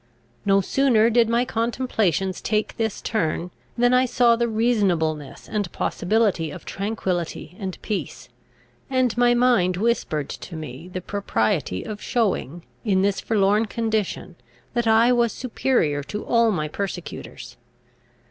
No sooner did my contemplations take this turn, than I saw the reasonableness and possibility of tranquillity and peace; and my mind whispered to me the propriety of showing, in this forlorn condition, that I was superior to all my persecutors.